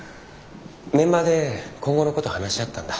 メンバーで今後のこと話し合ったんだ。